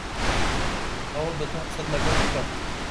هەوڵ دەدەم قسەت لەگەڵ بکەم.